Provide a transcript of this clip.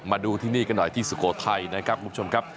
มาดูที่นี่กันหน่อยที่สุโขทัยนะครับคุณผู้ชมครับ